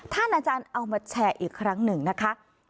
อาจารย์เอามาแชร์อีกครั้งหนึ่งนะคะ